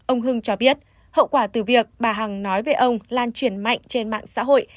ông hưng cho biết hậu quả từ việc bà hằng nói về ông lan truyền mạnh trên mạng xã hội